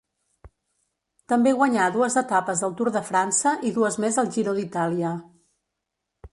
També guanyà dues etapes al Tour de França i dues més al Giro d'Itàlia.